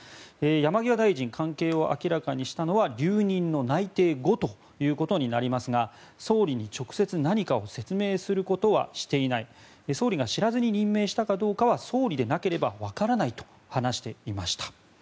山際大臣関係を明らかにしたのは留任の内定後ということになりますが総理に直接何かを説明することはしていない総理が知らずに任命したかどうかは総理でなければわからないと話していました。